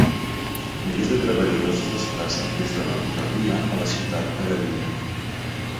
Milers de treballadors es desplacen des de la rodalia a la ciutat cada dia.